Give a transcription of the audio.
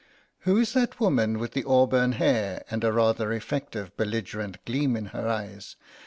"Who is that woman with the auburn hair and a rather effective belligerent gleam in her eyes?"